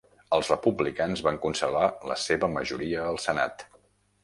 Els republicans van conservar la seva majoria al senat.